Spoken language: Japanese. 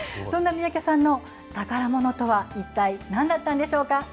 そんな三宅さんの宝ものとは一体なんだったんでしょうか。